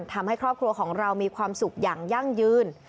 ทำให้ครอบครัวของเรามีความสุขอย่างยั่งยืน